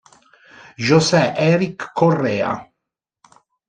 José Erick Correa